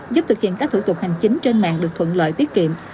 giúp thực hiện các thủ tục hành chính trên mạng được thuận lợi tiết kiệm